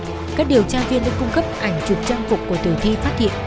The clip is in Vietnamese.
thì ở hà nội các điều tra viên đã cung cấp ảnh chụp trang phục của tử thi phát hiện